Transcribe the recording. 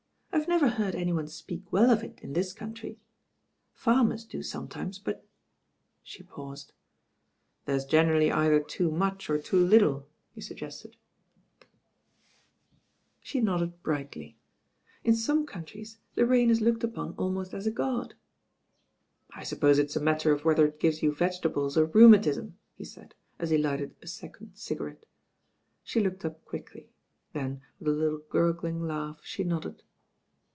I've never heard any one speak well of it in this country. Farmers do sometimes, but " she paused. "There's generally either too much or too lit tlej" he suggested. THE TWO DRAGONS the She nodded brightly. "In some countries rain is looked upon almost as a god." "I suppose it's a matter of whether it gives you vegetables or rheumatism," he said as he lighted a second cigarette. She looked up quickly; then, with a little gurgling laugh, she nodded.